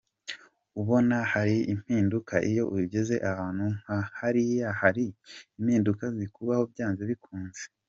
Ubona hari impinduka, iyo ugeze ahantu nka hariya hari impinduka zikubaho byanze bikunze.